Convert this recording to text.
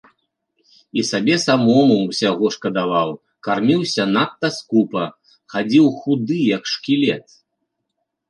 І сабе самому ўсяго шкадаваў, карміўся надта скупа, хадзіў худы, як шкілет.